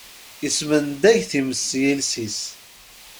Ismendag times s yiles-is.